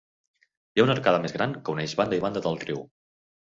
Hi ha una arcada més gran que uneix banda i banda del riu.